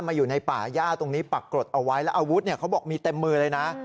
อยู่ในป่าย่าตรงนี้ปรากฏเอาไว้แล้วอาวุธเขาบอกมีเต็มมือเลยนะ